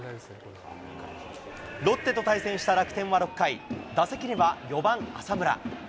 ロッテと対戦した楽天は６回、打席には４番浅村。